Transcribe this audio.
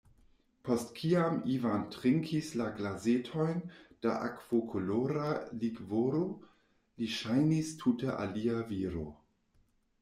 Post kiam Ivan trinkis la glasetojn da akvokolora likvoro, li ŝajnis tute alia viro.